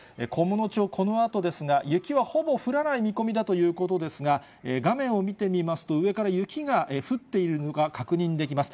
菰野町、このあとですが、雪はほぼ降らない見込みだということですが、画面を見てみますと、上から雪が降っているのが確認できます。